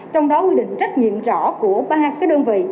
trong đó quy định trách nhiệm rõ của ba trăm linh đơn vị